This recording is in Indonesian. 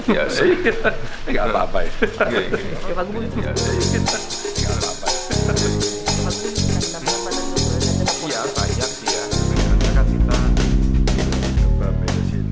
gak apa apa ya